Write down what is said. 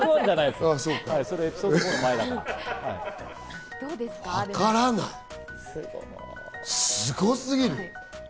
すごすぎる。